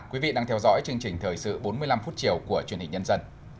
quý vị đang theo dõi chương trình thời sự bốn mươi năm phút chiều của truyền hình nhân dân